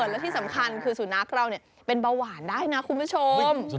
และที่สำคัญคือสุนัขเราเป็นเบาหวานได้นะคุณผู้ชม